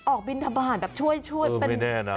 ออกบินทะบาลช่วยแบบเด็กวัด